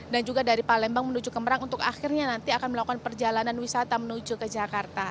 dan juga dari palembang menuju ke merak untuk akhirnya nanti akan melakukan perjalanan wisata menuju ke jakarta